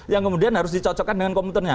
yang kemudian harus dicocokkan dengan komputernya